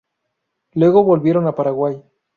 Luego volvieron a Paraguay.